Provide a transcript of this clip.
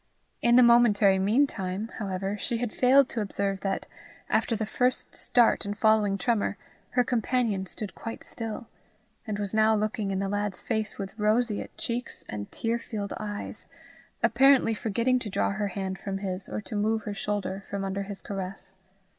In the momentary mean time, however, she had failed to observe that, after the first start and following tremor, her companion stood quite still, and was now looking in the lad's face with roseate cheeks and tear filled eyes, apparently forgetting to draw her hand from his, or to move her shoulder from under his caress.